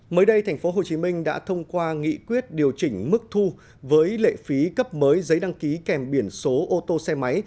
mới đây tp hcm đã thông qua nghị quyết điều chỉnh mức thu với lệ phí cấp mới giấy đăng ký kèm biển số ô tô xe máy